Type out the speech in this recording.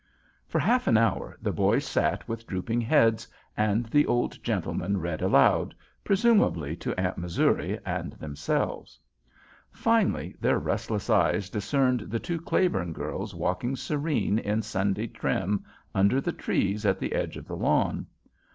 For half an hour the boys sat with drooping heads, and the old gentleman read aloud, presumably to Aunt Missouri and themselves. Finally their restless eyes discerned the two Claiborne girls walking serene in Sunday trim under the trees at the edge of the lawn.